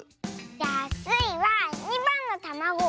じゃあスイは２ばんのたまご。